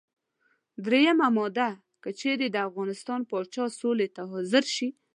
دریمه ماده: که چېرې د افغانستان پاچا سولې ته حاضر شي.